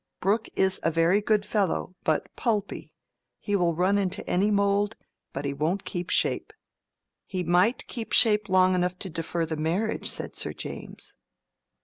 Brooke is a very good fellow, but pulpy; he will run into any mould, but he won't keep shape." "He might keep shape long enough to defer the marriage," said Sir James.